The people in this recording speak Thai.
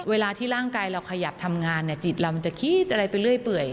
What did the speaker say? เวลาที่ร่างกายเราขยับทำงานจิตเรามันจะคิดอะไรไปเรื่อย